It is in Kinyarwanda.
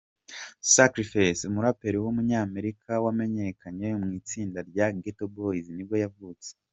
Scarface, umuraperi w’umunyamerika wamenyekanye mu itsinda rya Geto Boys nibwo yavutse.